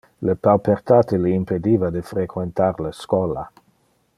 Le paupertate le impediva de frequentar le schola.